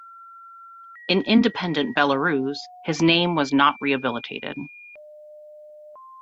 In independent Belarus, his name was not rehabilitated.